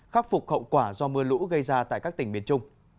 khắc phục hậu quả do mưa lũ gây ra tại các tỉnh miền trung